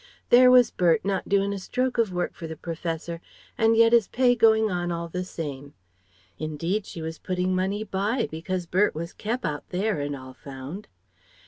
There was Bert, not doin' a stroke of work for the Professor, and yet his pay going on all the same. Indeed she was putting money by, because Bert was kep' out there, and all found."